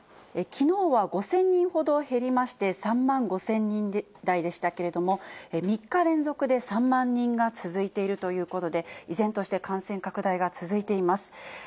きのうは５０００人ほど減りまして、３万５０００人台でしたけれども、３日連続で３万人が続いているということで、依然として感染拡大が続いています。